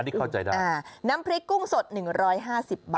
นี่เข้าใจได้น้ำพริกกุ้งสด๑๕๐บาท